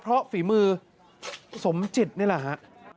เพราะฝีมือสมจิตนี่แหละฮะ